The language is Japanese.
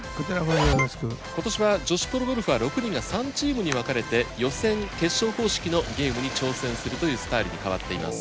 今年は女子プロゴルファー６人が３チームに分かれて予選決勝方式のゲームに挑戦するというスタイルに変わっています。